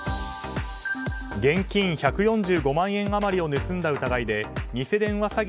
現金１４５万円余りを盗んだ疑いで偽電話